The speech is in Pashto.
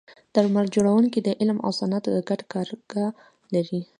درمل جوړونکي د علم او صنعت ګډه کارګاه لري.